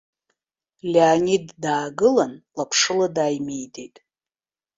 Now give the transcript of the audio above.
Леонид даагылан, лаԥшыла дааимидеит.